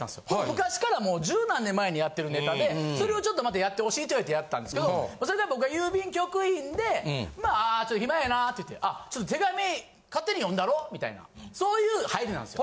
昔からもう十何年前にやってるネタでそれをちょっとまたやってほしいって言われてやったんですけどそれで僕が郵便局員でまあ暇やなって言ってあちょっと手紙勝手に読んだろみたいなそういう入りなんですよ。